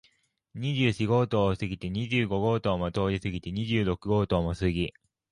二十四号棟を過ぎて、二十五号棟も通り過ぎて、二十六号棟を過ぎ、